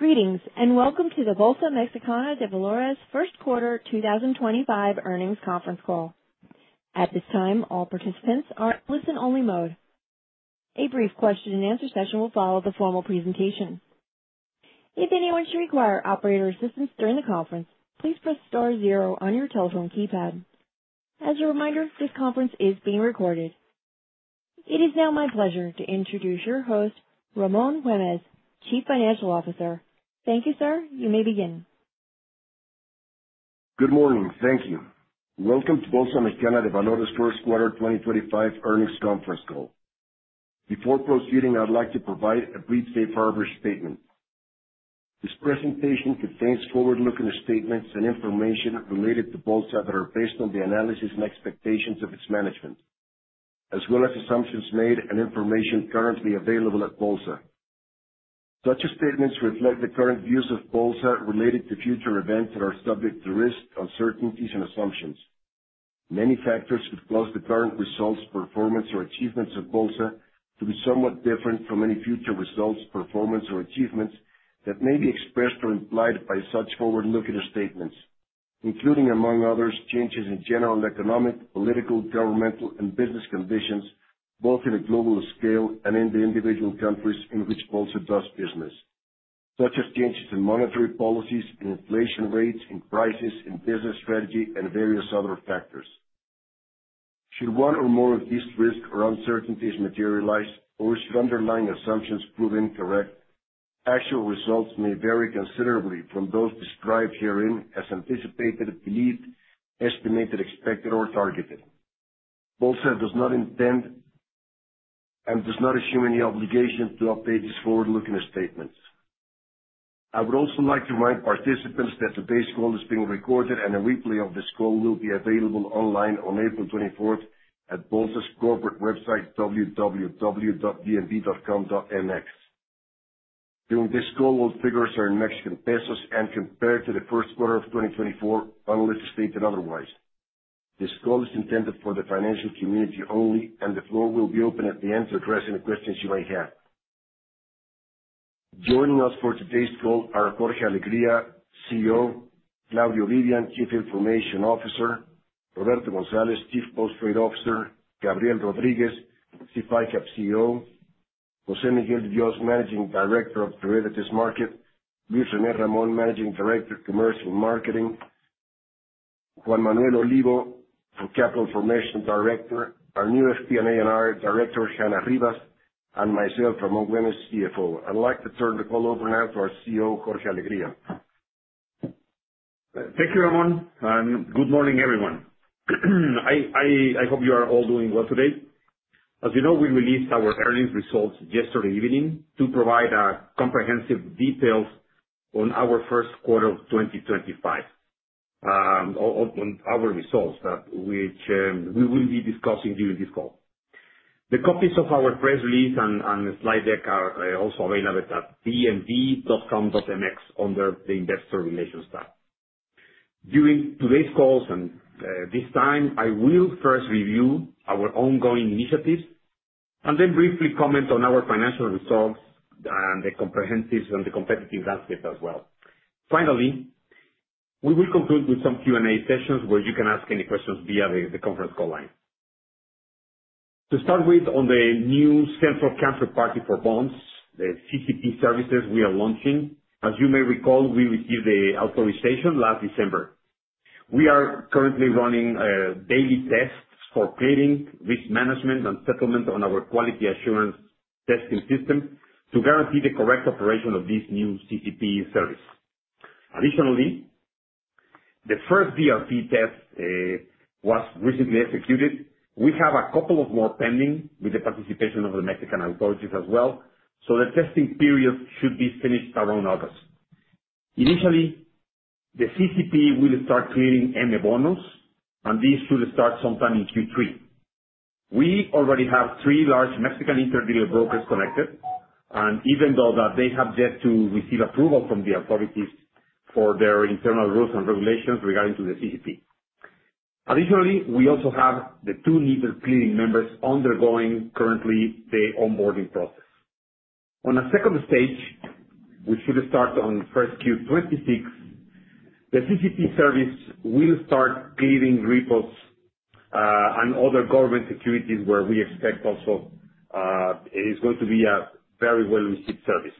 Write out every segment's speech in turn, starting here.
Greetings and welcome to the Bolsa Mexicana de Valores first quarter 2025 earnings conference call. At this time, all participants are in listen-only mode. A brief question-and-answer session will follow the formal presentation. If anyone should require operator assistance during the conference, please press star zero on your telephone keypad. As a reminder, this conference is being recorded. It is now my pleasure to introduce your host, Ramón Juárez, Chief Financial Officer. Thank you, sir. You may begin. Good morning. Thank you. Welcome to Bolsa Mexicana de Valores first quarter 2025 earnings conference call. Before proceeding, I'd like to provide a brief safe harbor statement. This presentation contains forward-looking statements and information related to Bolsa that are based on the analysis and expectations of its management, as well as assumptions made and information currently available at Bolsa. Such statements reflect the current views of Bolsa related to future events that are subject to risk, uncertainties, and assumptions. Many factors could cause the current results, performance, or achievements of Bolsa to be somewhat different from any future results, performance, or achievements that may be expressed or implied by such forward-looking statements, including, among others, changes in general economic, political, governmental, and business conditions both in a global scale and in the individual countries in which Bolsa does business, such as changes in monetary policies, in inflation rates, in prices, in business strategy, and various other factors. Should one or more of these risks or uncertainties materialize, or should underlying assumptions prove incorrect, actual results may vary considerably from those described herein as anticipated, believed, estimated, expected, or targeted. Bolsa does not intend and does not assume any obligation to update these forward-looking statements. I would also like to remind participants that today's call is being recorded, and a replay of this call will be available online on April 24th at Bolsa's corporate website, www.bmv.com.mx. During this call, all figures are in Mexican pesos and compared to the first quarter of 2024, unless stated otherwise. This call is intended for the financial community only, and the floor will be open at the end to address any questions you may have. Joining us for today's call are Jorge Alegría, CEO; Claudio Vivian, Chief Information Officer; Roberto González, Chief Post Trade Officer; Gabriel Rodríguez, SIF ICAP CEO; José Miguel de Dios, Managing Director of Derivatives Market; Luis René Ramón, Managing Director, Commercial Marketing; Juan Manuel Olivo, Capital Formation Director; our new FP&A and IR Director, Hanna Rivas; and myself, Ramón Juárez, CFO. I'd like to turn the call over now to our CEO, Jorge Alegría. Thank you, Ramón. Good morning, everyone. I hope you are all doing well today. As you know, we released our earnings results yesterday evening to provide comprehensive details on our first quarter of 2025, on our results which we will be discussing during this call. The copies of our press release and slide deck are also available at bmv.com.mx under the Investor Relations tab. During today's call at this time, I will first review our ongoing initiatives and then briefly comment on our financial results and the comprehensive and the competitive landscape as well. Finally, we will conclude with some Q&A sessions where you can ask any questions via the conference call line. To start with, on the new central counterparty for bonds, the CCP services we are launching. As you may recall, we received the authorization last December. We are currently running daily tests for clearing, risk management, and settlement on our quality assurance testing system to guarantee the correct operation of this new CCP service. Additionally, the first DRP test was recently executed. We have a couple more pending with the participation of the Mexican authorities as well, so the testing period should be finished around August. Initially, the CCP will start clearing ME bonos, and this should start sometime in Q3. We already have three large Mexican interdealer brokers connected, even though they have yet to receive approval from the authorities for their internal rules and regulations regarding the CCP. Additionally, we also have the two legal clearing members currently undergoing the onboarding process. On a second stage, which should start on first Q 2026, the CCP service will start clearing repos and other government securities where we expect also it's going to be a very well-received service.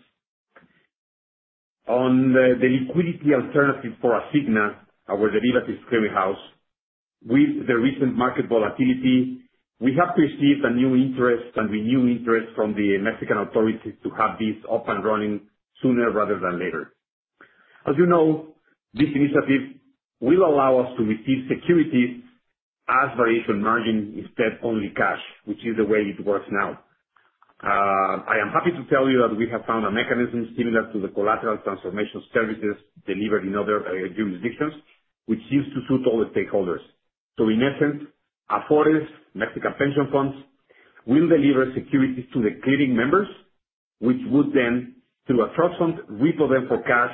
On the liquidity alternative for Asigna, our derivatives clearing house, with the recent market volatility, we have perceived a new interest and renewed interest from the Mexican authorities to have this up and running sooner rather than later. As you know, this initiative will allow us to receive securities as variation margin instead of only cash, which is the way it works now. I am happy to tell you that we have found a mechanism similar to the collateral transformation services delivered in other jurisdictions, which seems to suit all the stakeholders. In essence, Afores Mexican Pension Funds will deliver securities to the clearing members, which would then, through a trust fund, repo them for cash,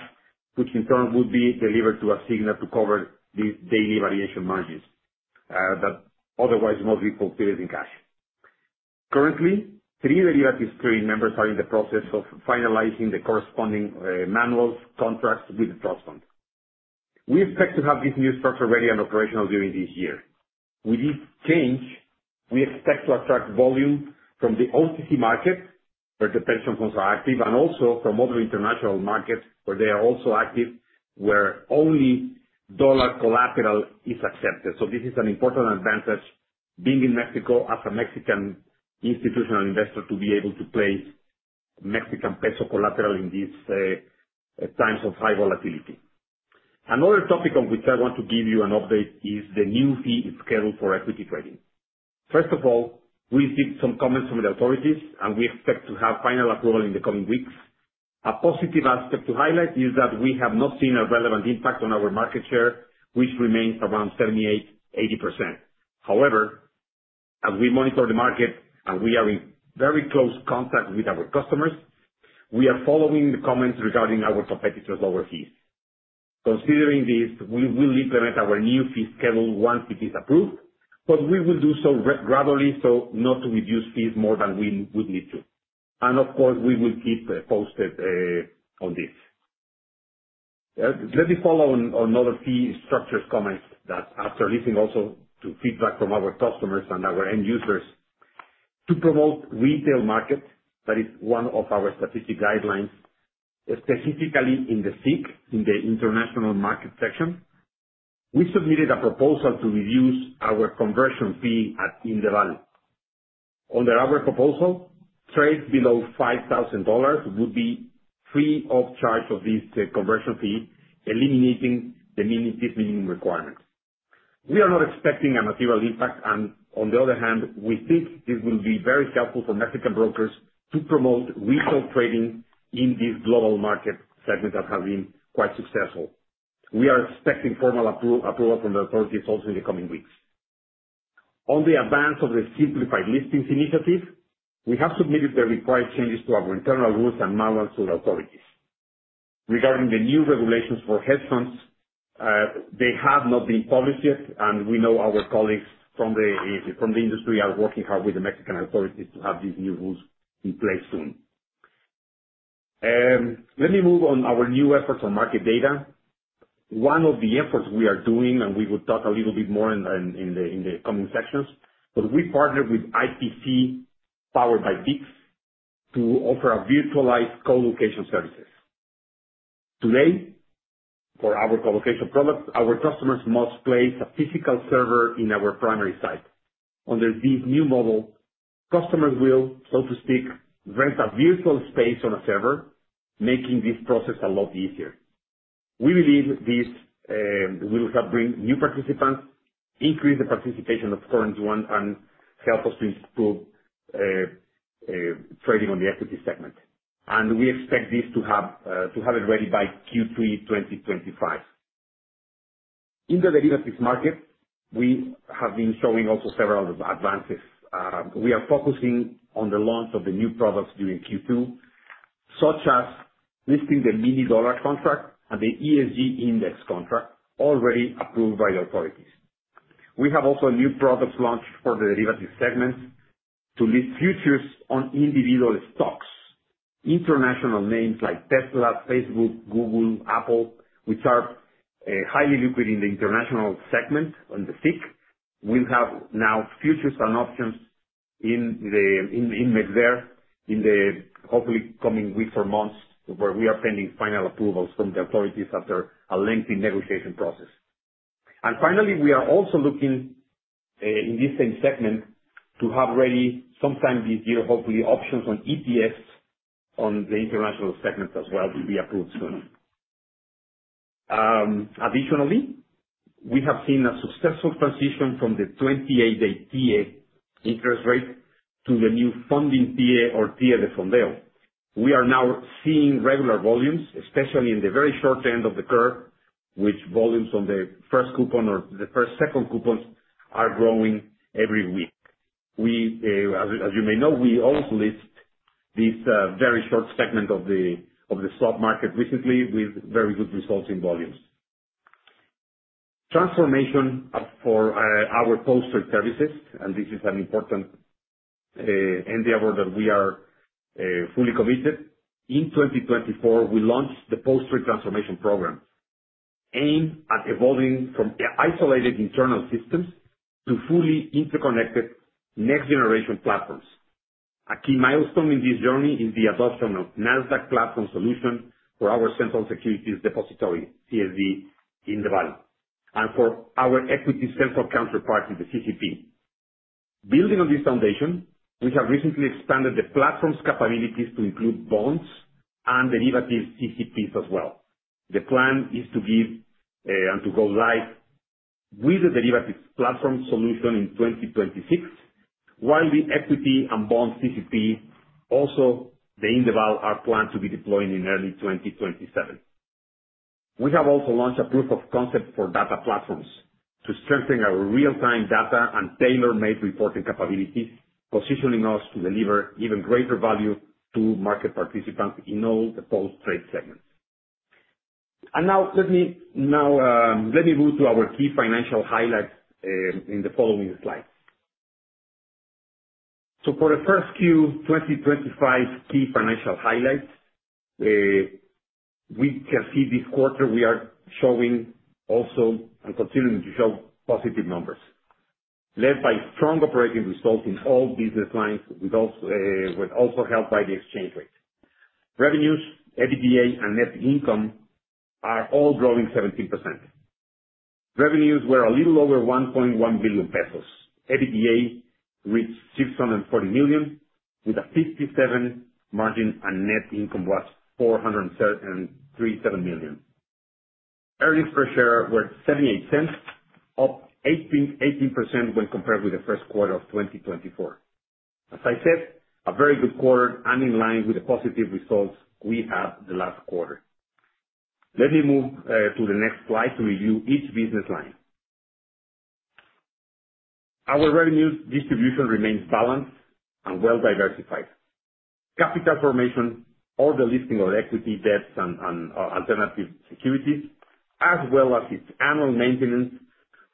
which in turn would be delivered to Asigna to cover the daily variation margins that otherwise most people pay us in cash. Currently, three derivatives clearing members are in the process of finalizing the corresponding manual contracts with the trust fund. We expect to have this new structure ready and operational during this year. With this change, we expect to attract volume from the OTC market, where the pension funds are active, and also from other international markets where they are also active, where only dollar collateral is accepted. This is an important advantage being in Mexico as a Mexican institutional investor to be able to place Mexican peso collateral in these times of high volatility. Another topic on which I want to give you an update is the new fee schedule for equity trading. First of all, we received some comments from the authorities, and we expect to have final approval in the coming weeks. A positive aspect to highlight is that we have not seen a relevant impact on our market share, which remains around 78%-80%. However, as we monitor the market and we are in very close contact with our customers, we are following the comments regarding our competitors' lower fees. Considering this, we will implement our new fee schedule once it is approved, but we will do so gradually so not to reduce fees more than we would need to. Of course, we will keep posted on this. Let me follow on other fee structures comments that, after listening also to feedback from our customers and our end users, to promote retail market, that is one of our strategic guidelines, specifically in the SIC, in the international market section, we submitted a proposal to reduce our conversion fee at INDEVAL. Under our proposal, trades below $5,000 would be free of charge of this conversion fee, eliminating the minimum requirement. We are not expecting a material impact, and on the other hand, we think it will be very helpful for Mexican brokers to promote retail trading in this global market segment that has been quite successful. We are expecting formal approval from the authorities also in the coming weeks. On the advance of the simplified listings initiative, we have submitted the required changes to our internal rules and manuals to the authorities. Regarding the new regulations for hedge funds, they have not been published yet, and we know our colleagues from the industry are working hard with the Mexican authorities to have these new rules in place soon. Let me move on our new efforts on market data. One of the efforts we are doing, and we will talk a little bit more in the coming sections, but we partnered with IPC Powered by Beeks to offer virtualized colocation services. Today, for our colocation product, our customers must place a physical server in our primary site. Under this new model, customers will, so to speak, rent a virtual space on a server, making this process a lot easier. We believe this will help bring new participants, increase the participation of current ones, and help us to improve trading on the equity segment. We expect this to have it ready by Q3 2025. In the derivatives market, we have been showing also several advances. We are focusing on the launch of the new products during Q2, such as listing the Mini Dollar contract and the ESG Index contract already approved by the authorities. We have also new products launched for the derivatives segment to list futures on individual stocks. International names like Tesla, Facebook, Google, Apple, which are highly liquid in the international segment on the SIC, will have now futures and options in MexDer in the hopefully coming weeks or months where we are pending final approvals from the authorities after a lengthy negotiation process. Finally, we are also looking, in this same segment, to have ready sometime this year, hopefully, options on ETFs on the international segment as well to be approved soon. Additionally, we have seen a successful transition from the 28-day TIIE interest rate to the new Funding TIIE or TIIE de Fondeo. We are now seeing regular volumes, especially in the very short end of the curve, with volumes on the first coupon or the first and second coupons growing every week. As you may know, we also listed this very short segment of the stock market recently with very good results in volumes. Transformation for our post trade services, and this is an important endeavor that we are fully committed to. In 2024, we launched the post trade transformation program aimed at evolving from isolated internal systems to fully interconnected next-generation platforms. A key milestone in this journey is the adoption of the Nasdaq platform solution for our central securities depository, CSD, INDEVAL, and for our equity central counterparty, the CCP. Building on this foundation, we have recently expanded the platform's capabilities to include bonds and derivatives CCPs as well. The plan is to give and to go live with the derivatives platform solution in 2026, while the equity and bond CCP, also the INDEVAL, are planned to be deployed in early 2027. We have also launched a proof of concept for data platforms to strengthen our real-time data and tailor-made reporting capabilities, positioning us to deliver even greater value to market participants in all the post trade segments. Now let me move to our key financial highlights in the following slides. For the first Q2025 key financial highlights, we can see this quarter we are showing also and continuing to show positive numbers, led by strong operating results in all business lines, with also help by the exchange rate. Revenues, EBITDA, and net income are all growing 17%. Revenues were a little over 1.1 billion pesos. EBITDA reached 640 million, with a 57% margin, and net income was 437 million. Earnings per share were 0.78, up 18% when compared with the first quarter of 2024. As I said, a very good quarter and in line with the positive results we had the last quarter. Let me move to the next slide to review each business line. Our revenue distribution remains balanced and well-diversified. Capital formation, all the listing of equity, debts, and alternative securities, as well as its annual maintenance,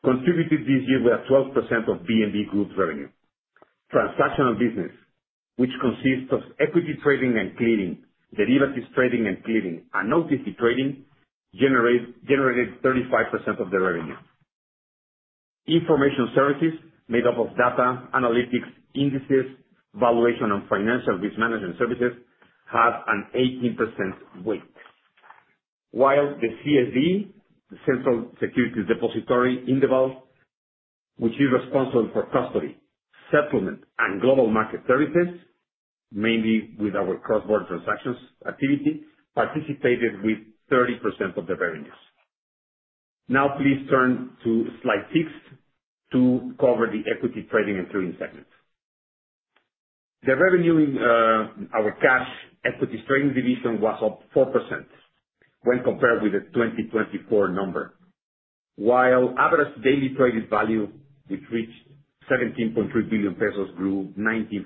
contributed this year with 12% of BMV Group's revenue. Transactional business, which consists of equity trading and clearing, derivatives trading and clearing, and OTC trading, generated 35% of the revenue. Information services, made up of data, analytics, indices, valuation, and financial risk management services, had an 18% weight. While the CSD, the central securities depository, INDEVAL, which is responsible for custody, settlement, and global market services, mainly with our cross-border transactions activity, participated with 30% of the revenues. Now, please turn to slide 6 to cover the equity trading and clearing segment. The revenue in our cash equity trading division was up 4% when compared with the 2024 number, while average daily traded value, which reached 17.3 billion pesos, grew 19%.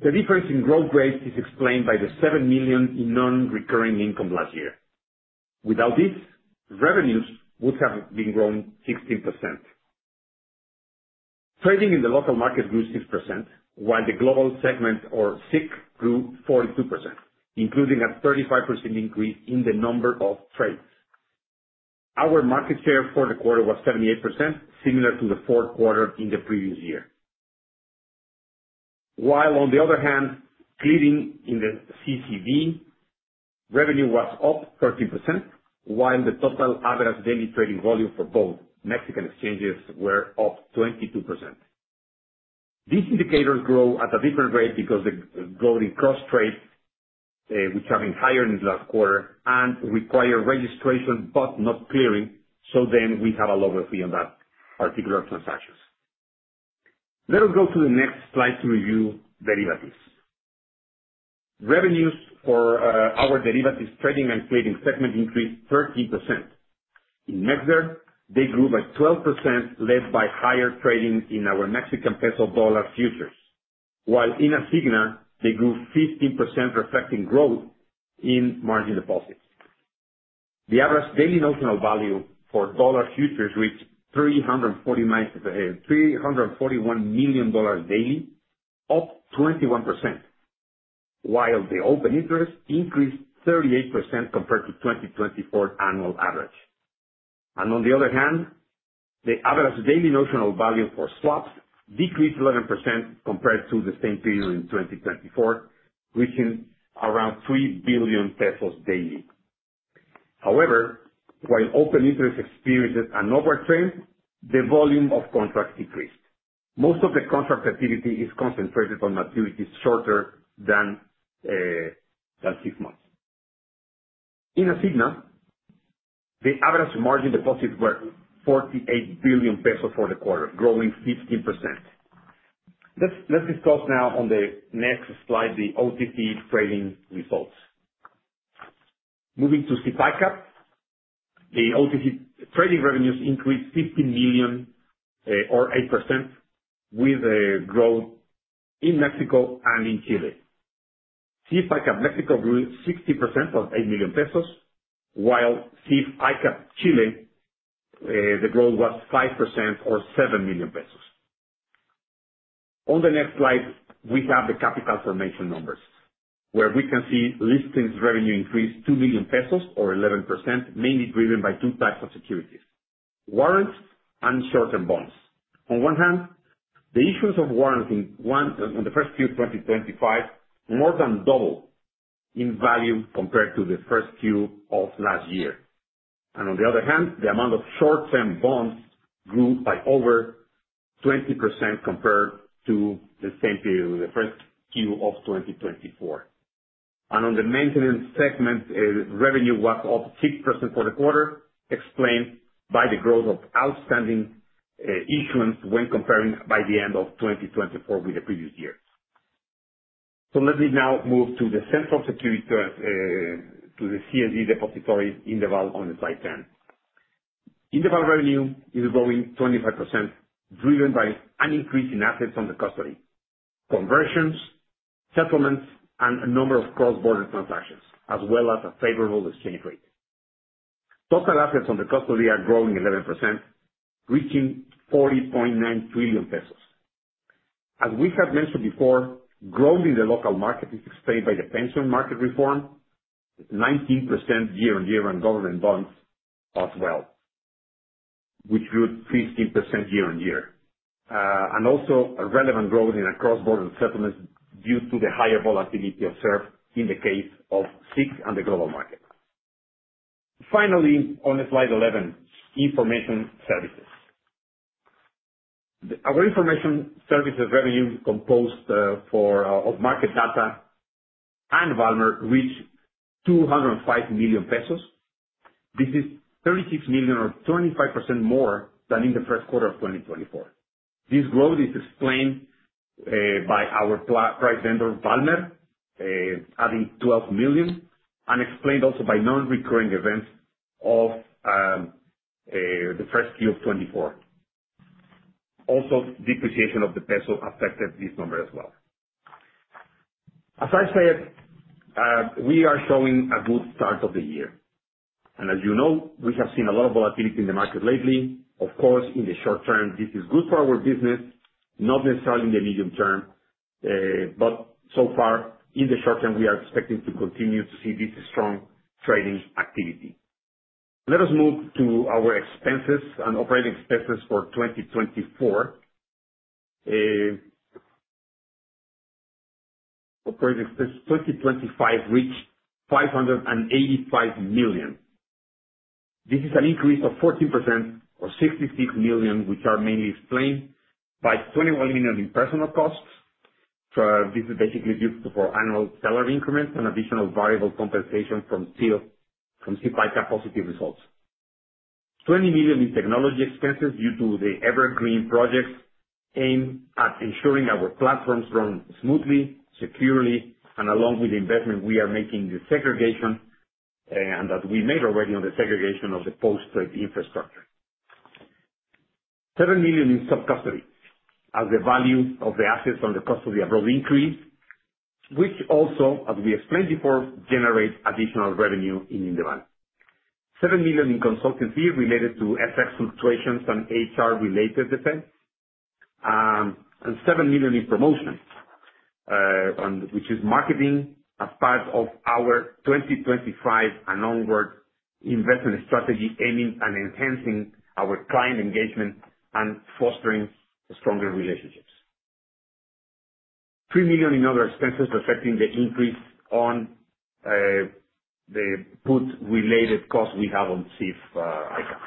The difference in growth rates is explained by the 7 million in non-recurring income last year. Without this, revenues would have been grown 16%. Trading in the local market grew 6%, while the global segment, or SIC, grew 42%, including a 35% increase in the number of trades. Our market share for the quarter was 78%, similar to the fourth quarter in the previous year. While, on the other hand, clearing in the CCD revenue was up 13%, while the total average daily trading volume for both Mexican exchanges were up 22%. These indicators grow at a different rate because they go in cross-trade, which have been higher in the last quarter and require registration but not clearing, so then we have a lower fee on that particular transactions. Let us go to the next slide to review derivatives. Revenues for our derivatives trading and clearing segment increased 13%. In MexDer, they grew by 12%, led by higher trading in our Mexican peso dollar futures, while in Asigna, they grew 15%, reflecting growth in margin deposits. The average daily notional value for dollar futures reached $341 million daily, up 21%, while the open interest increased 38% compared to 2024 annual average. On the other hand, the average daily notional value for swaps decreased 11% compared to the same period in 2024, reaching around 3 billion pesos daily. However, while open interest experienced an upward trend, the volume of contracts decreased. Most of the contract activity is concentrated on activities shorter than six months. In Asigna, the average margin deposits were 48 billion pesos for the quarter, growing 15%. Let's discuss now, on the next slide, the OTC trading results. Moving to SIF ICAP, the OTC trading revenues increased 15 million or 8%, with growth in Mexico and in Chile. SIF ICAP Mexico grew 60% or 8 million pesos, while SIF ICAP Chile, the growth was 5% or 7 million pesos. On the next slide, we have the capital formation numbers, where we can see listings revenue increased 2 million pesos or 11%, mainly driven by two types of securities: warrants and short-term bonds. On one hand, the issues of warrants in the first Q 2025 more than doubled in value compared to the first Q of last year. On the other hand, the amount of short-term bonds grew by over 20% compared to the same period in the first Q of 2024. On the maintenance segment, revenue was up 6% for the quarter, explained by the growth of outstanding issuance when comparing by the end of 2024 with the previous year. Let me now move to the central securities, to the CSD depository, INDEVAL, on slide 10. INDEVAL revenue is growing 25%, driven by an increase in assets on custody, conversions, settlements, and a number of cross-border transactions, as well as a favorable exchange rate. Total assets on custody are growing 11%, reaching 40.9 trillion pesos. As we had mentioned before, growth in the local market is explained by the pension market reform, 19% year-on-year on government bonds as well, which grew 15% year-on-year. Also, a relevant growth in cross-border settlements due to the higher volatility observed in the case of SIC and the global market. Finally, on slide 11, information services. Our information services revenue composed of market data and Valmer reached 205 million pesos. This is 36 million or 25% more than in the first quarter of 2024. This growth is explained by our price vendor, Valmer, adding 12 million, and explained also by non-recurring events of the first Q of 2024. Also, depreciation of the peso affected this number as well. As I said, we are showing a good start of the year. As you know, we have seen a lot of volatility in the market lately. Of course, in the short term, this is good for our business, not necessarily in the medium term, but so far, in the short term, we are expecting to continue to see this strong trading activity. Let us move to our expenses and operating expenses for 2024. Operating expenses 2024 reached 585 million. This is an increase of 14% or 66 million, which are mainly explained by 21 million in personnel costs. This is basically due to our annual salary increments and additional variable compensation from SIF ICAP positive results. 20 million in technology expenses due to the evergreen projects aimed at ensuring our platforms run smoothly, securely, and along with the investment we are making in the segregation and that we made already on the segregation of the post trade infrastructure. 7 million in sub-custody, as the value of the assets on the custody abroad increased, which also, as we explained before, generates additional revenue in INDEVAL. 7 million in consultancy related to FX fluctuations and HR-related defense, and 7 million in promotion, which is marketing as part of our 2025 and onward investment strategy, aiming at enhancing our client engagement and fostering stronger relationships. 3 million in other expenses affecting the increase on the put-related cost we have on SIF ICAP.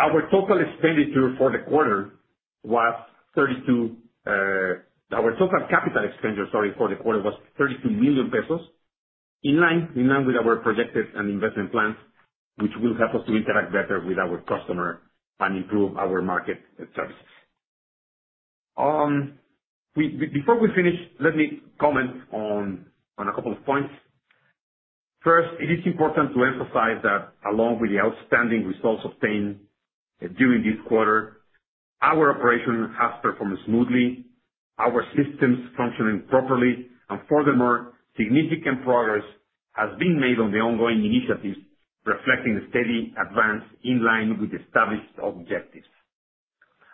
Our total expenditure for the quarter was 32 million pesos; our total capital expenditure, sorry, for the quarter was 32 million pesos, in line with our projected and investment plans, which will help us to interact better with our customer and improve our market services. Before we finish, let me comment on a couple of points. First, it is important to emphasize that, along with the outstanding results obtained during this quarter, our operation has performed smoothly, our systems functioning properly, and furthermore, significant progress has been made on the ongoing initiatives, reflecting the steady advance in line with established objectives.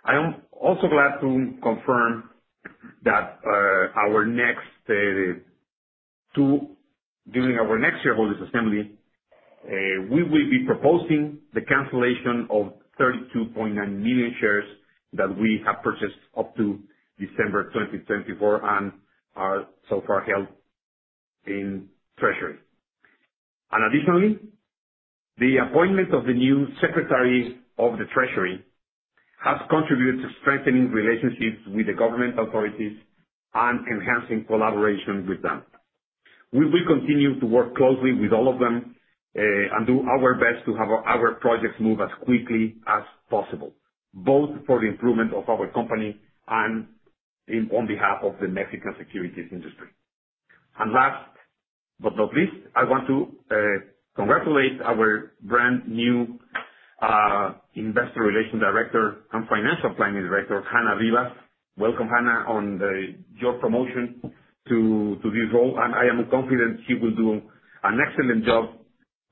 I am also glad to confirm that during our next shareholders' assembly, we will be proposing the cancellation of 32.9 million shares that we have purchased up to December 2024 and are so far held in treasury. Additionally, the appointment of the new Secretary of the Treasury has contributed to strengthening relationships with the government authorities and enhancing collaboration with them. We will continue to work closely with all of them and do our best to have our projects move as quickly as possible, both for the improvement of our company and on behalf of the Mexican securities industry. Last but not least, I want to congratulate our brand new Investor Relations Director and Financial Planning Director, Hanna Rivas. Welcome, Hanna, on your promotion to this role. I am confident she will do an excellent job,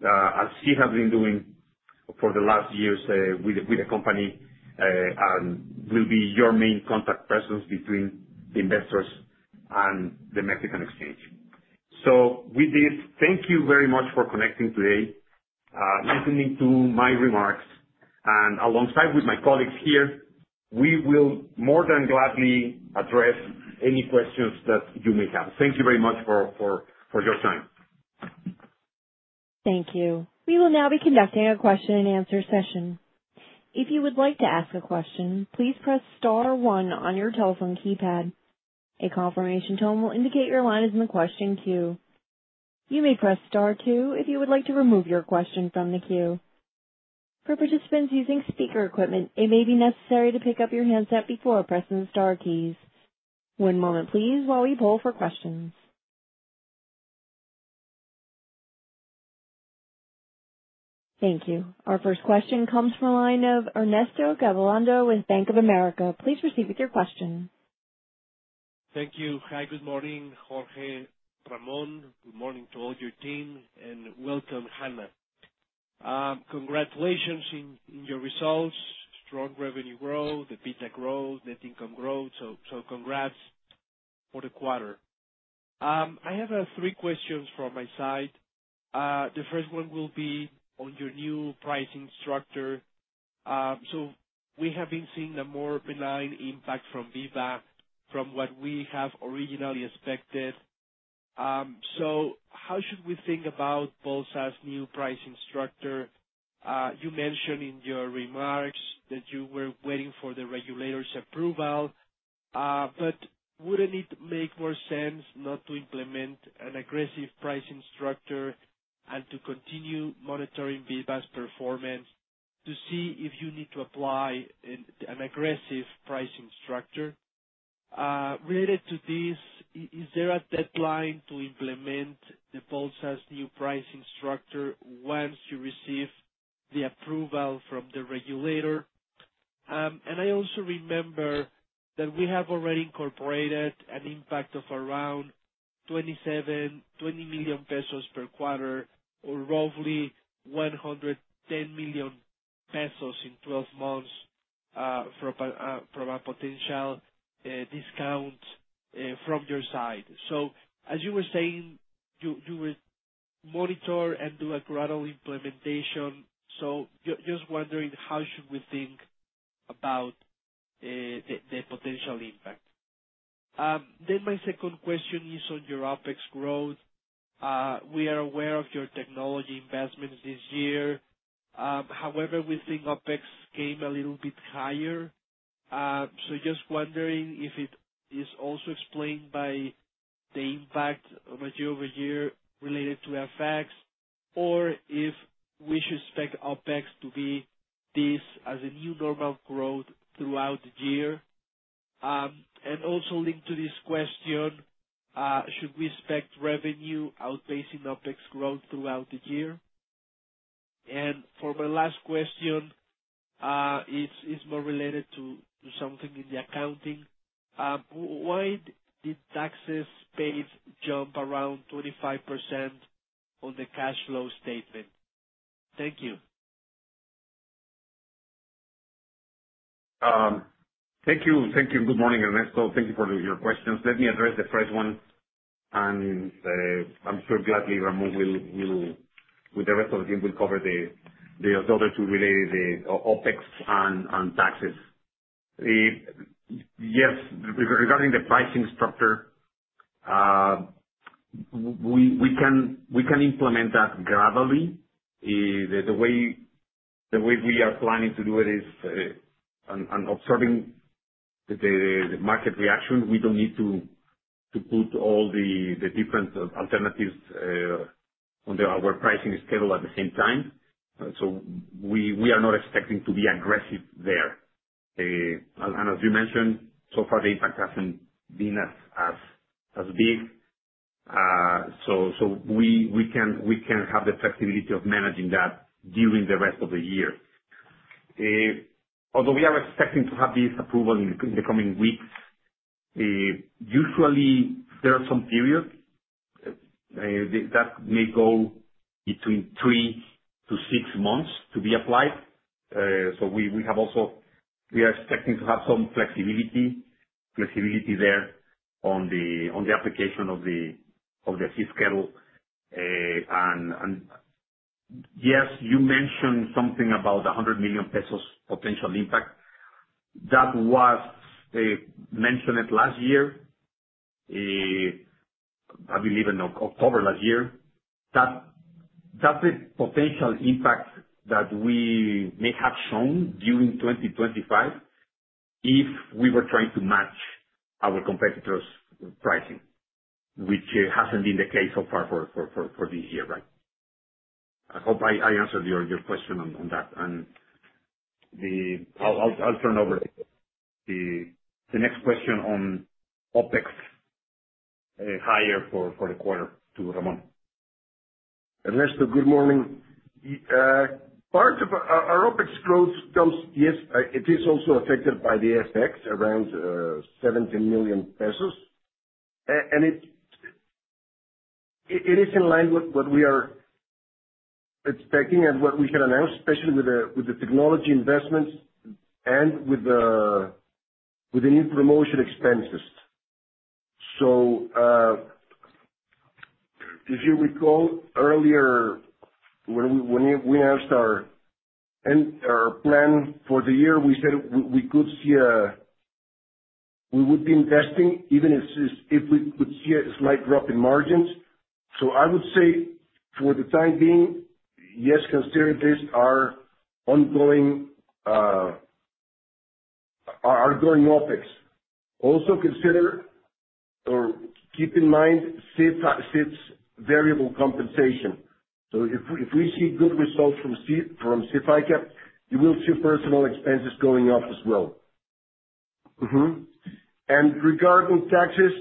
as she has been doing for the last years with the company, and will be your main contact person between investors and the Mexican exchange. Thank you very much for connecting today, listening to my remarks. Alongside my colleagues here, we will more than gladly address any questions that you may have. Thank you very much for your time. Thank you. We will now be conducting a question-and-answer session. If you would like to ask a question, please press star one on your telephone keypad. A confirmation tone will indicate your line is in the question queue. You may press star two if you would like to remove your question from the queue. For participants using speaker equipment, it may be necessary to pick up your handset before pressing the star keys. One moment, please, while we pull for questions. Thank you. Our first question comes from a line of Ernesto Gabilondo with Bank of America. Please proceed with your question. Thank you. Hi, good morning, Jorge Ramón. Good morning to all your team, and welcome, Hanna. Congratulations on your results, strong revenue growth, EBITDA growth, net income growth. Congrats for the quarter. I have three questions from my side. The first one will be on your new pricing structure. We have been seeing a more benign impact from BIVA from what we have originally expected. How should we think about Bolsa's new pricing structure? You mentioned in your remarks that you were waiting for the regulator's approval, but wouldn't it make more sense not to implement an aggressive pricing structure and to continue monitoring BIVA's performance to see if you need to apply an aggressive pricing structure? Related to this, is there a deadline to implement the Bolsa's new pricing structure once you receive the approval from the regulator? I also remember that we have already incorporated an impact of around 27million-20 million pesos per quarter, or roughly 110 million pesos in 12 months from a potential discount from your side. As you were saying, you will monitor and do a gradual implementation. Just wondering how should we think about the potential impact? My second question is on your OpEx growth. We are aware of your technology investments this year. However, we think OpEx came a little bit higher. Just wondering if it is also explained by the impact year-over-year related to FX, or if we should expect OpEx to be this as a new normal growth throughout the year. Also linked to this question, should we expect revenue outpacing OpEx growth throughout the year? For my last question, it is more related to something in the accounting. Why did taxes paid jump around 25% on the cash flow statement? Thank you. Thank you. Thank you. Good morning, Ernesto. Thank you for your questions. Let me address the first one, and I am sure gladly Ramón will, with the rest of the team, cover the other two related, the OpEx and taxes. Yes, regarding the pricing structure, we can implement that gradually. The way we are planning to do it is on observing the market reaction. We do not need to put all the different alternatives under our pricing schedule at the same time. We are not expecting to be aggressive there. As you mentioned, so far, the impact has not been as big. We can have the flexibility of managing that during the rest of the year. Although we are expecting to have this approval in the coming weeks, usually there are some periods that may go between three to six months to be applied. We are also expecting to have some flexibility there on the application of the fee schedule. Yes, you mentioned something about 100 million pesos potential impact. That was mentioned last year, I believe in October last year. That's the potential impact that we may have shown during 2025 if we were trying to match our competitors' pricing, which hasn't been the case so far for this year, right? I hope I answered your question on that. I'll turn over the next question on OpEx higher for the quarter to Ramón. Ernesto, good morning. Our OpEx growth, yes, it is also affected by the FX around 17 million pesos. It is in line with what we are expecting and what we can announce, especially with the technology investments and with the new promotion expenses. If you recall earlier, when we announced our plan for the year, we said we could see a we would be investing, even if we could see a slight drop in margins. I would say for the time being, yes, consider this our ongoing OpEx. Also consider or keep in mind SIF's variable compensation. If we see good results from SIF ICAP, you will see personal expenses going up as well. Regarding taxes,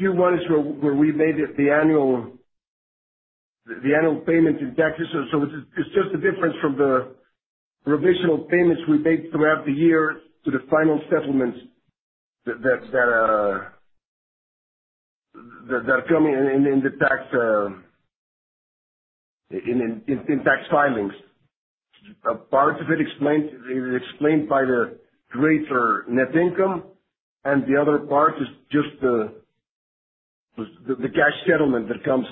Q1 is where we made the annual payment in taxes. It is just the difference from the provisional payments we made throughout the year to the final settlements that are coming in the tax filings. Part of it is explained by the greater net income, and the other part is just the cash settlement that comes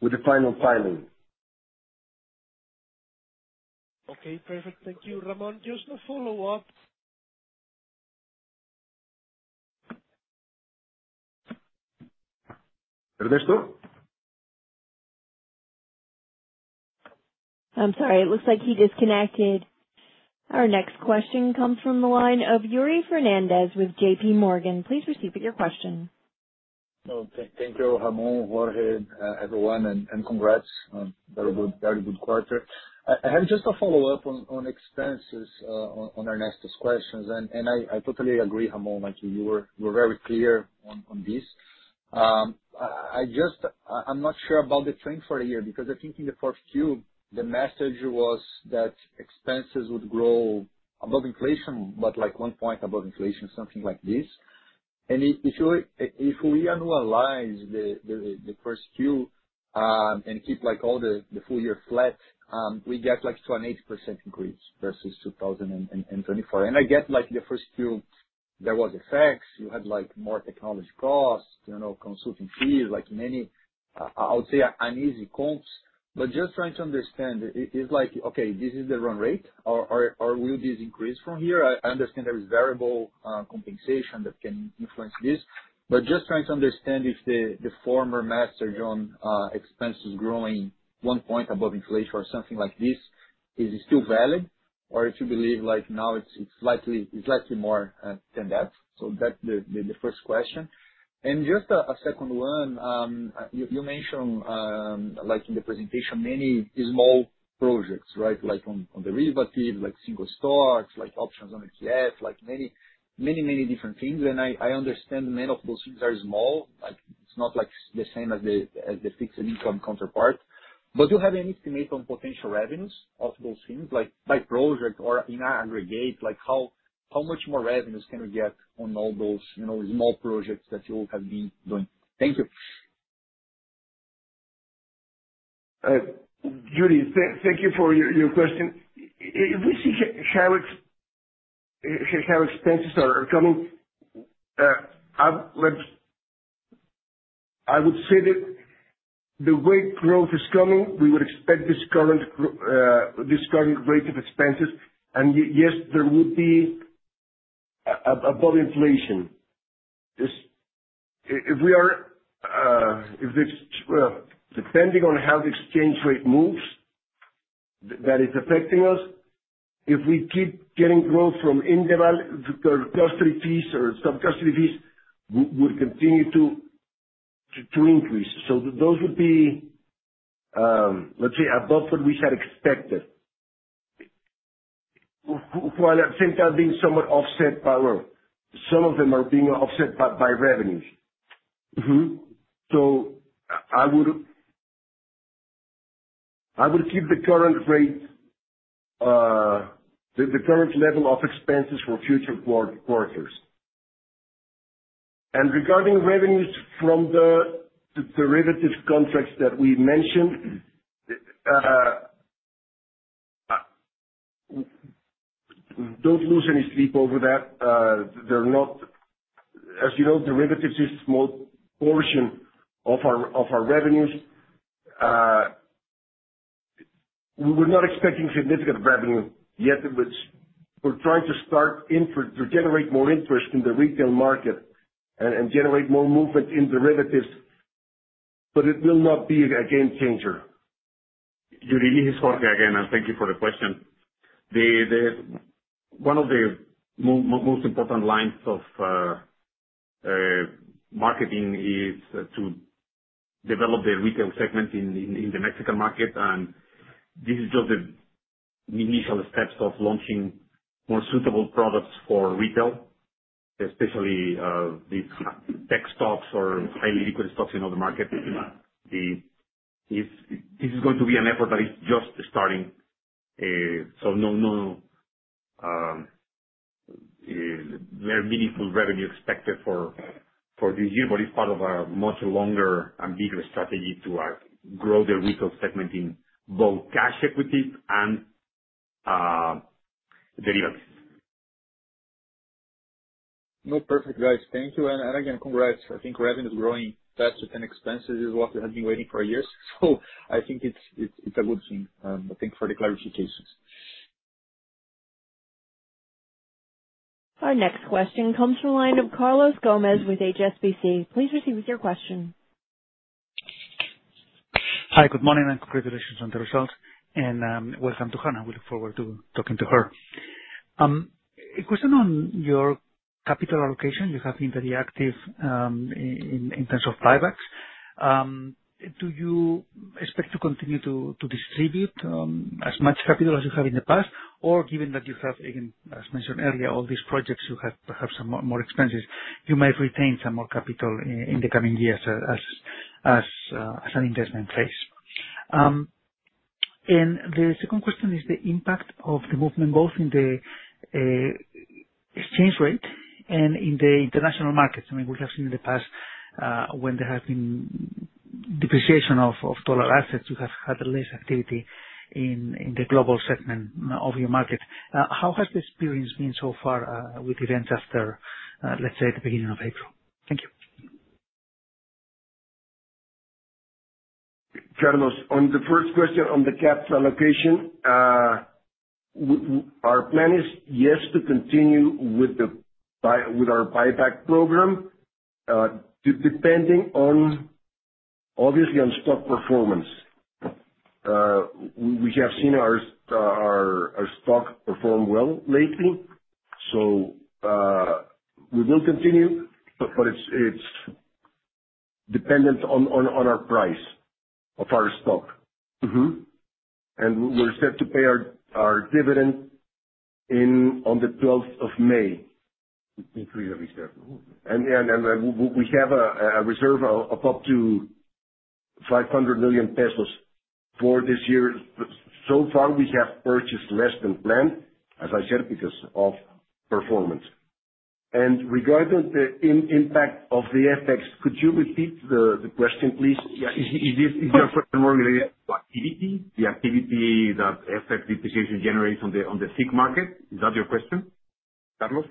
with the final filing. Okay. Perfect. Thank you, Ramón. Just to follow up. Ernesto? I'm sorry. It looks like he disconnected. Our next question comes from the line of Yuri Fernandes with JPMorgan. Please proceed with your question. Thank you, Ramón, Jorge, everyone, and congrats on a very good quarter. I have just a follow-up on expenses, on Ernesto's questions. I totally agree, Ramón. You were very clear on this. I'm not sure about the trend for the year because I think in the first year, the message was that expenses would grow above inflation, but one point above inflation, something like this. If we annualize the first year and keep all the full year flat, we get like 28% increase versus 2024. I get the first year, there was FX. You had more technology costs, consulting fees, many, I would say, uneasy comps. Just trying to understand, it's like, okay, this is the run rate, or will this increase from here? I understand there is variable compensation that can influence this. Just trying to understand if the former message on expenses growing one point above inflation or something like this, is it still valid, or if you believe now it's likely more than that? That is the first question. Just a second one, you mentioned in the presentation many small projects, right, on derivatives, single stocks, options on ETFs, many, many different things. I understand many of those things are small. It's not the same as the fixed income counterpart. Do you have any estimate on potential revenues of those things, by project or in aggregate, how much more revenues can we get on all those small projects that you have been doing? Thank you. Yuri, thank you for your question. If we see how expenses are coming, I would say that the way growth is coming, we would expect this current rate of expenses. Yes, there would be above inflation. If we are, depending on how the exchange rate moves, that is affecting us, if we keep getting growth from indirect custody fees or subcustody fees, we would continue to increase. Those would be, let's say, above what we had expected, while at the same time being somewhat offset by growth. Some of them are being offset by revenues. I would keep the current rate, the current level of expenses for future quarters. Regarding revenues from the derivatives contracts that we mentioned, don't lose any sleep over that. As you know, derivatives is a small portion of our revenues. We were not expecting significant revenue, yet we're trying to start to generate more interest in the retail market and generate more movement in derivatives, but it will not be a game changer. Yuri, this is Jorge again. Thank you for the question. One of the most important lines of marketing is to develop the retail segment in the Mexican market. This is just the initial steps of launching more suitable products for retail, especially these tech stocks or highly liquid stocks in the market. This is going to be an effort that is just starting. No very meaningful revenue expected for this year, but it is part of a much longer and bigger strategy to grow the retail segment in both cash equities and derivatives. Perfect, guys. Thank you. Again, congrats. I think revenue is growing faster than expenses, which is what we have been waiting for years. I think it is a good thing. Thank you for the clarifications. Our next question comes from the line of Carlos Gómez with HSBC. Please proceed with your question. Hi, good morning. Congratulations on the results. Welcome to Hanna. We look forward to talking to her. A question on your capital allocation. You have been very active in terms of buybacks. Do you expect to continue to distribute as much capital as you have in the past? Or given that you have, again, as mentioned earlier, all these projects, you have perhaps some more expenses, you might retain some more capital in the coming years as an investment phase. The second question is the impact of the movement both in the exchange rate and in the international markets. I mean, we have seen in the past when there has been depreciation of dollar assets, you have had less activity in the global segment of your market. How has the experience been so far with events after, let's say, the beginning of April? Thank you. Carlós, on the first question on the capital allocation, our plan is, yes, to continue with our buyback program, depending on, obviously, on stock performance. We have seen our stock perform well lately. We will continue, but it is dependent on our price of our stock. We are set to pay our dividend on the 12th of May. Increase the reserve. We have a reserve of up to 500 million pesos for this year. So far, we have purchased less than planned, as I said, because of performance. Regarding the impact of the FX, could you repeat the question, please? Is your question more related to activity, the activity that FX depreciation generates on the SIF market? Is that your question, Carlos?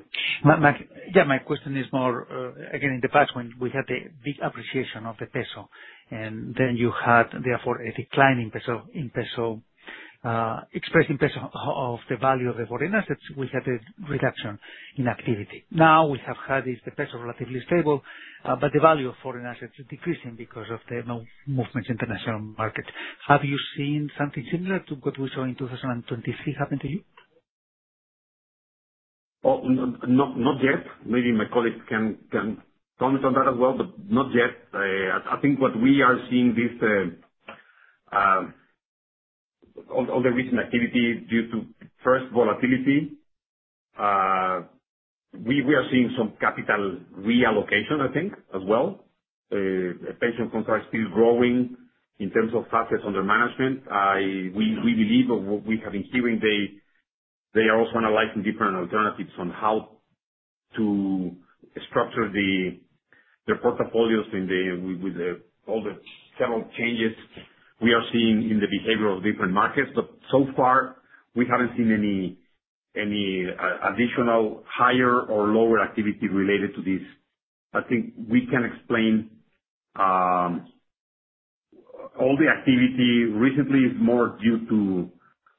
Yeah, my question is more, again, in the past, when we had the big appreciation of the peso, and then you had, therefore, a decline in peso expressed in peso of the value of the foreign assets, we had a reduction in activity. Now we have had the peso relatively stable, but the value of foreign assets is decreasing because of the movements in the international market. Have you seen something similar to what we saw in 2023 happen to you? Not yet. Maybe my colleagues can comment on that as well, but not yet. I think what we are seeing is all the recent activity due to, first, volatility. We are seeing some capital reallocation, I think, as well. Pension funds are still growing in terms of assets under management. We believe what we have been hearing, they are also analyzing different alternatives on how to structure their portfolios with all the several changes we are seeing in the behavior of different markets. So far, we haven't seen any additional higher or lower activity related to this. I think we can explain all the activity recently is more due to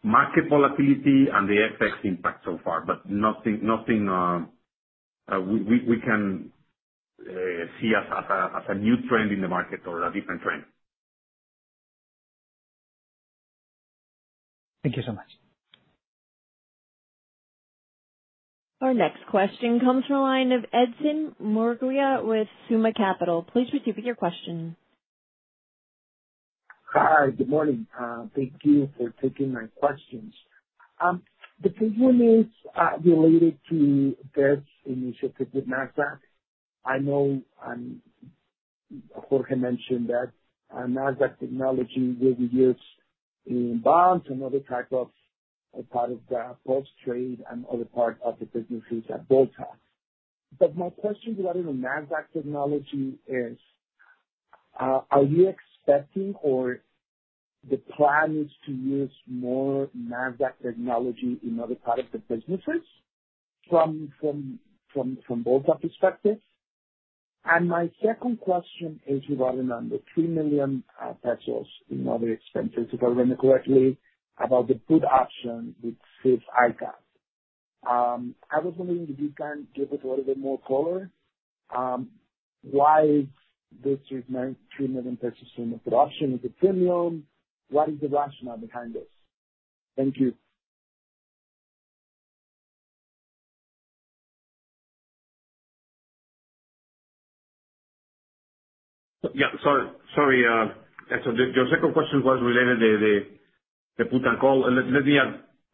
market volatility and the FX impact so far, but nothing we can see as a new trend in the market or a different trend. Thank you so much. Our next question comes from the line of Edson Murguia with Suma Capital. Please proceed with your question. Hi, good morning. Thank you for taking my questions. The question is related to Bolsa's initiative with Nasdaq. I know Jorge mentioned that Nasdaq technology will be used in bonds and other type of part of the post-trade and other part of the businesses at both times. My question regarding the Nasdaq technology is, are you expecting or the plan is to use more Nasdaq technology in other part of the businesses from both perspectives? My second question is regarding the 3 million pesos in other expenses, if I remember correctly, about the put option with SIF ICAP. I was wondering if you can give it a little bit more color. Why is this MXN 3 million in the put option with the premium? What is the rationale behind this? Thank you. Yeah, sorry. Your second question was related to the put and call. Let me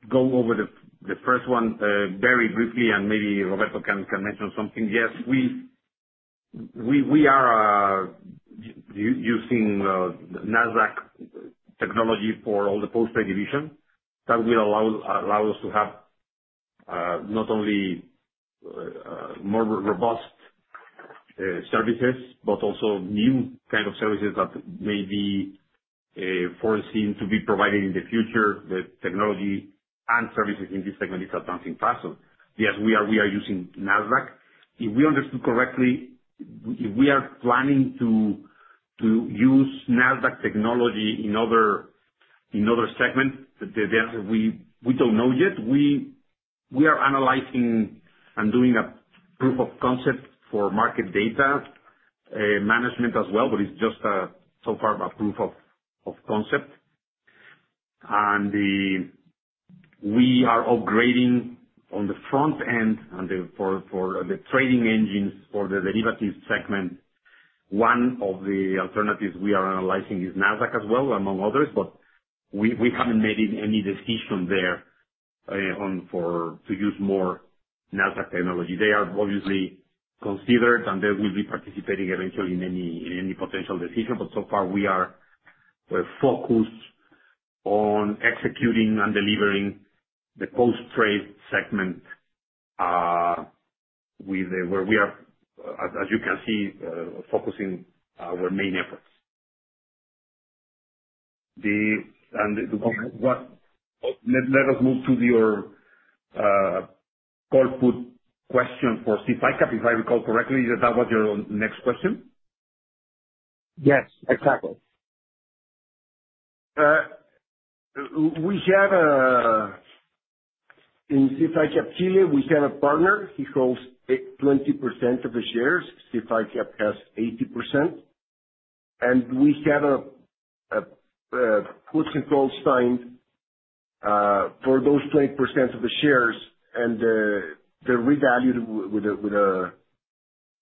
go over the first one very briefly, and maybe Roberto can mention something. Yes, we are using Nasdaq technology for all the post-trade division. That will allow us to have not only more robust services, but also new kind of services that may be foreseen to be provided in the future. The technology and services in this segment is advancing fast. Yes, we are using Nasdaq. If we understood correctly, if we are planning to use Nasdaq technology in other segments, we don't know yet. We are analyzing and doing a proof of concept for market data management as well, but it's just so far a proof of concept. We are upgrading on the front end for the trading engines for the derivatives segment. One of the alternatives we are analyzing is Nasdaq as well, among others, but we haven't made any decision there to use more Nasdaq technology. They are obviously considered, and they will be participating eventually in any potential decision. So far, we are focused on executing and delivering the post-trade segment where we are, as you can see, focusing our main efforts. Let us move to your call put question for SIF ICAP, if I recall correctly. Is that was your next question? Yes, exactly. In SIF ICAP Chile, we have a partner. He holds 20% of the shares. SIF ICAP has 80%. We have puts and calls signed for those 20% of the shares, and they're revalued with a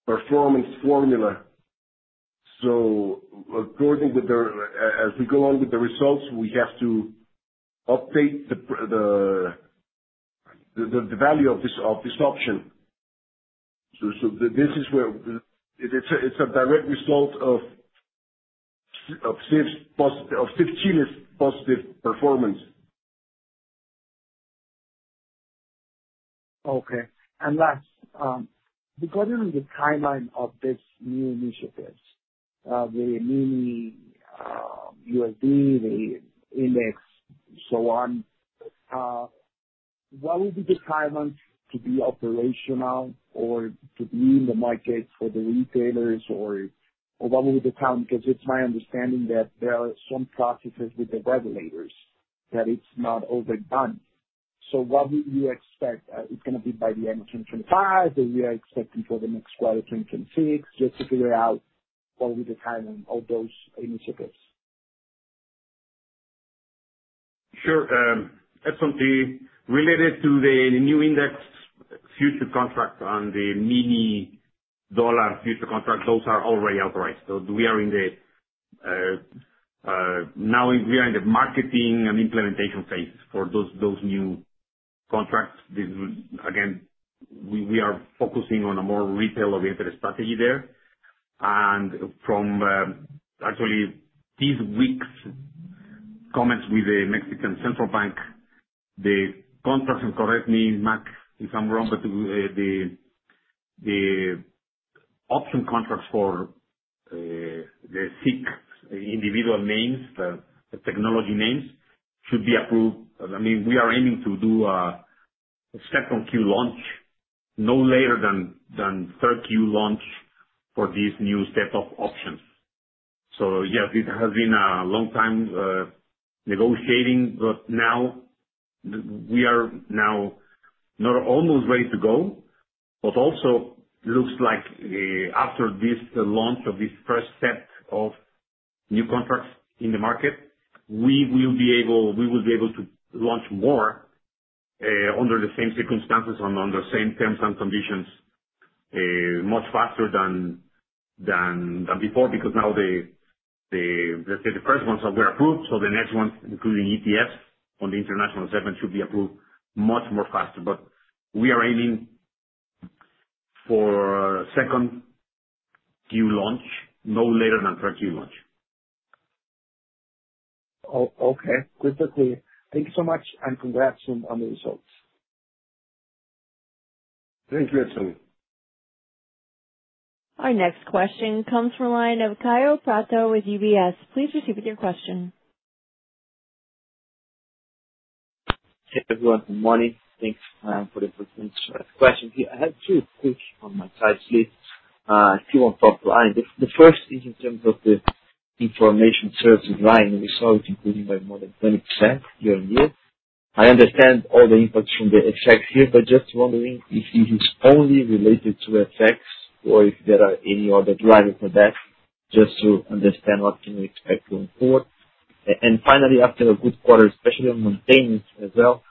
performance formula. As we go on with the results, we have to update the value of this option. This is where it's a direct result of SIF ICAP Chile's positive performance. Okay. Last, regarding the timeline of these new initiatives, the mini USD, the index, so on, what will be the timeline to be operational or to be in the market for the retailers, or what will be the time? It's my understanding that there are some processes with the regulators, that it's not overdone. What would you expect? It's going to be by the end of 2025, or we are expecting for the next quarter, 2026, just to figure out what will be the timeline of those initiatives? Sure. Related to the new index future contract and the Mini Dollar future contract, those are already authorized. We are in the marketing and implementation phase for those new contracts. Again, we are focusing on a more retail-oriented strategy there. Actually, this week's comments with the Mexican central bank, the contracts—and correct me, Mac, if I'm wrong—but the option contracts for the SIC individual names, the technology names, should be approved. I mean, we are aiming to do a second Q launch no later than third Q launch for this new set of options. Yes, it has been a long time negotiating, but now we are not almost ready to go, but also looks like after this launch of this first set of new contracts in the market, we will be able to launch more under the same circumstances and under the same terms and conditions much faster than before because now the first ones were approved. The next ones, including ETFs on the international segment, should be approved much faster. We are aiming for second Q launch no later than third Q launch. Okay. Perfect. Thank you so much, and congrats on the results. Thank you, Edson. Our next question comes from the line of Kaio Prato with UBS. Please proceed with your question. Hey, everyone. Good morning. Thanks for the first question. I have two quick on my side sleeve, a few on top line. The first is in terms of the information services line. We saw it increasing by more than 20% year-on-year. I understand all the impacts from the effects here, but just wondering if it is only related to FX or if there are any other drivers for that, just to understand what can we expect going forward. Finally, after a good quarter, especially on maintenance as well,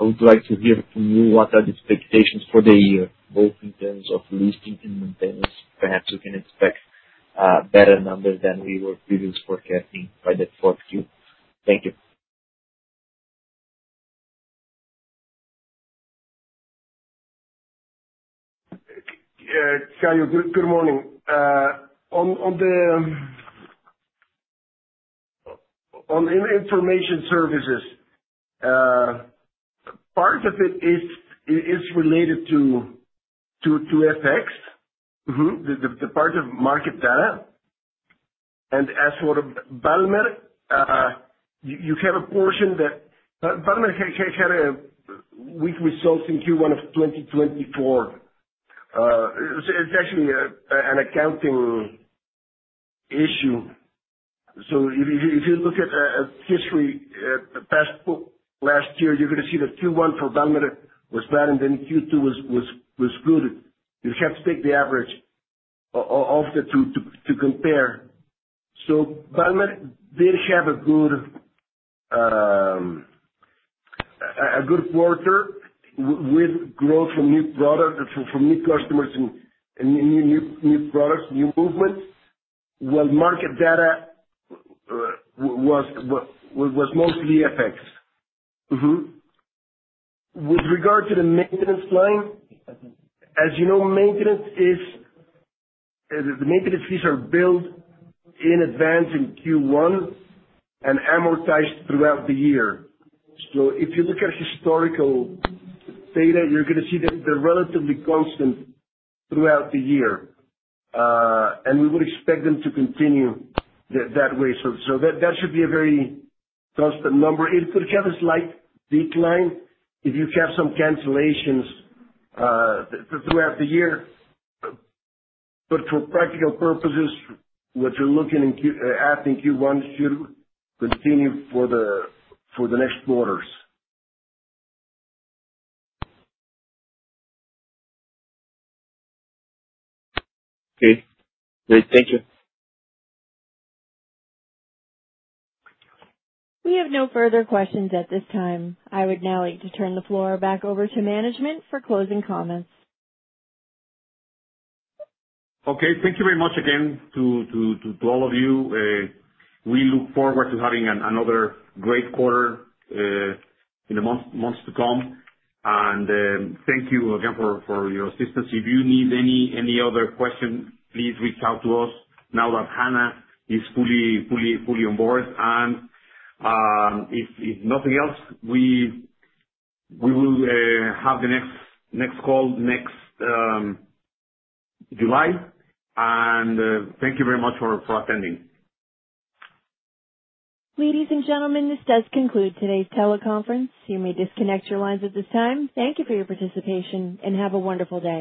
I would like to hear from you what are the expectations for the year, both in terms of listing and maintenance. Perhaps we can expect better numbers than we were previously forecasting by the fourth Q. Thank you. Yeah, Kaio, good morning. On the information services, part of it is related to FX, the part of market data. As for Valmer, you have a portion that Valmer had a weak result in Q1 of 2024. It's actually an accounting issue. If you look at history, the past last year, you're going to see that Q1 for Valmer was bad, and then Q2 was good. You have to take the average of the two to compare. Valmer did have a good quarter with growth from new products, from new customers and new products, new movements. Market data was mostly FX. With regard to the maintenance line, as you know, maintenance fees are billed in advance in Q1 and amortized throughout the year. If you look at historical data, you're going to see that they're relatively constant throughout the year, and we would expect them to continue that way. That should be a very constant number. It could have a slight decline if you have some cancellations throughout the year. For practical purposes, what you're looking at in Q1 should continue for the next quarters. Okay. Great. Thank you. We have no further questions at this time. I would now like to turn the floor back over to management for closing comments. Okay. Thank you very much again to all of you. We look forward to having another great quarter in the months to come. Thank you again for your assistance. If you need any other questions, please reach out to us now that Hanna is fully on board. If nothing else, we will have the next call next July. Thank you very much for attending. Ladies and gentlemen, this does conclude today's teleconference. You may disconnect your lines at this time. Thank you for your participation, and have a wonderful day.